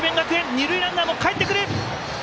二塁ランナーもかえってくる！